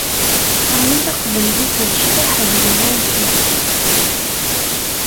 Ɛni taqbaylit d ccdeḥ d wurar kan?